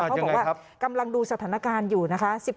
บอกว่ากำลังดูสถานการณ์อยู่นะคะ